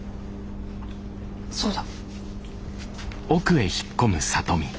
そうだ。